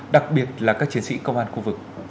đặc biệt là các chiến sĩ công an khu vực